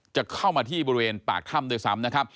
จะเข้ามาที่บริเวณปากถ้ำด้วยซ้ำนะครับ